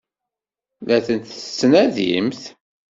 La ten-tettnadimt?